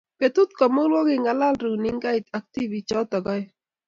Betu komugul ko kingalal runingait ak tibiik choto oeng